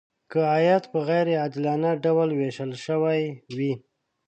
که عاید په غیر عادلانه ډول ویشل شوی وي.